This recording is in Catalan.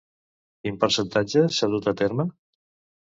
Quin percentatge s'ha dut a terme?